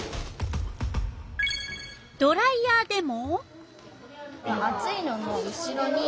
ドライヤーでも。